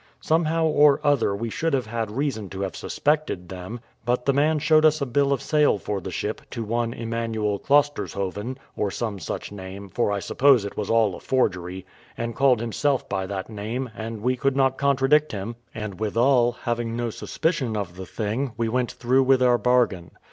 Somehow or other we should have had reason to have suspected, them; but the man showed us a bill of sale for the ship, to one Emanuel Clostershoven, or some such name, for I suppose it was all a forgery, and called himself by that name, and we could not contradict him: and withal, having no suspicion of the thing, we went through with our bargain.